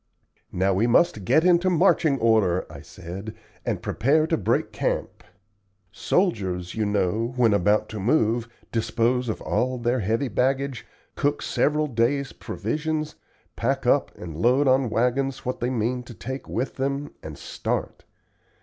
"Now we must get into marching order," I said, "and prepare to break camp. Soldiers, you know, when about to move, dispose of all their heavy baggage, cook several days' provisions, pack up and load on wagons what they mean to take with them, and start.